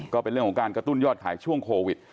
ก็เป็นเรื่องของการกระตุ้นยอดขายช่วงโควิด